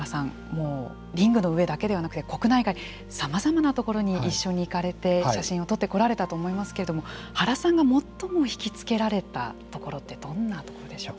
もうリングの上だけではなくて国内外のさまざまな所に一緒に行かれて写真を撮ってこられたと思いますけれども原さんが最も引き付けられたところってどんなところでしょう。